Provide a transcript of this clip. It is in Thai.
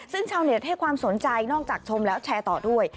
ซึ่งชาวเน็ตให้ความสนใจนอกจากชมแล้วแชร์ต่อด้วย